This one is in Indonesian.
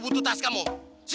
itu kan rani